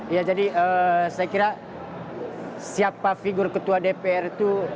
ya jadi saya kira siapa figur ketua dpr itu